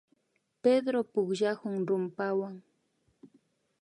Pedro pukllakun rumpawan